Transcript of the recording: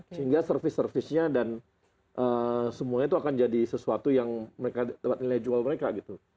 sehingga service service nya dan semuanya itu akan jadi sesuatu yang mereka dapat nilai jual mereka gitu